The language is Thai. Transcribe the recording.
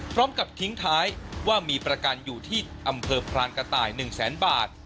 พร้อมกับทิ้งท้ายว่ามีประกันอยู่ที่อำเภอพรานกระต่าย๑แสนบาท